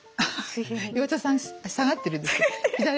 岩田さん下がってるんです。